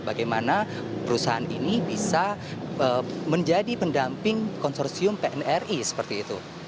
bagaimana perusahaan ini bisa menjadi pendamping konsorsium pnri seperti itu